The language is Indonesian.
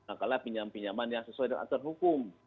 angkatlah pinjam pinjaman yang sesuai dengan aturan hukum